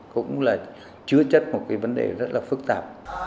cũng là chứa chất một cái vấn đề rất là phức tạp